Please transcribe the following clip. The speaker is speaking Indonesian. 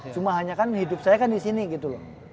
cuma hanya kan hidup saya kan disini gitu loh